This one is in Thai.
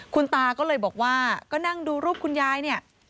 คุณตาก็เลยบอกว่าก็นั่งดูรูปคุณยายเนี่ย